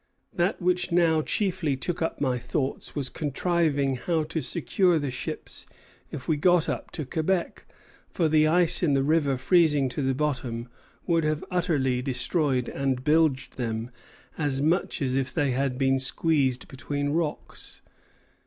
"That which now chiefly took up my thoughts, was contriving how to secure the ships if we got up to Quebec; for the ice in the river freezing to the bottom would have utterly destroyed and bilged them as much as if they had been squeezed between rocks."